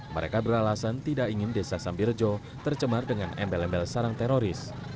mereka beralasan tidak ingin desa sambirejo tercemar dengan embel embel sarang teroris